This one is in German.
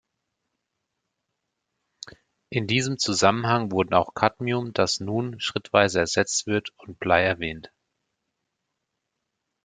In diesem Zusammenhang wurden auch Kadmium, das nun schrittweise ersetzt wird, und Blei erwähnt.